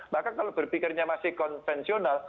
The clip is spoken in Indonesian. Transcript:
maka kalau berpikirnya masih konvensional